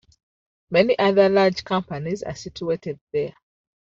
Many other large companies are situated there.